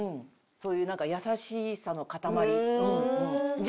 そういうなんか優しさの塊。